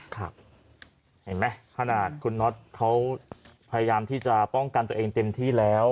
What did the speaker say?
ครับเห็นไหมขนาดคุณน็อตเขาพยายามที่จะป้องกันตัวเองเต็มที่แล้ว